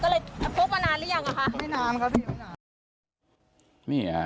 ก็เลยพกมานานหรือยังอ่ะคะไม่นานครับพี่ไม่นานนี่ฮะ